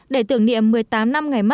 để tưởng niệm một mươi tám năm ngày mắt